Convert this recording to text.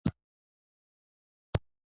جانداد د مهربانۍ او حوصلهمندۍ ګډ رنګ دی.